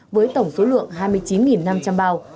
với tổng số lượng hai mươi chín năm trăm linh bao